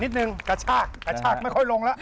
นิดนึงกระชากกระชากไม่ค่อยลงละ